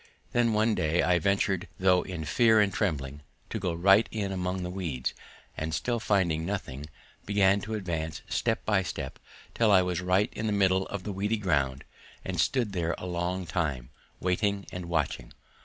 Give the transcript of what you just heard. Then one day I ventured, though in fear and trembling, to go right in among the weeds, and still finding nothing began to advance step by step until I was right in the middle of the weedy ground and stood there a long time, waiting and watching.